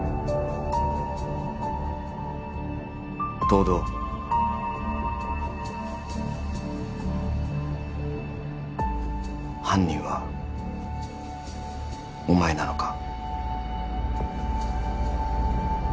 東堂犯人はお前なのか？